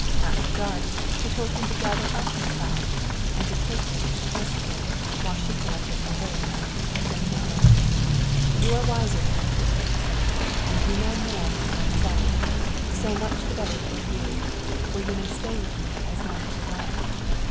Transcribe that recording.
After dark she told him to gather up his scythes and take them into the house again, while she collected her rakes, saying to him: "You are wiser than I took you to be, and you know more than myself; so much the better for you, for you may stay as long with me as you like."